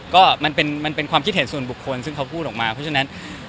ก็มันเป็นความคิดเห็นส่วนบุคคลซึ่งเขาพูดออกมาเพราะฉะนั้น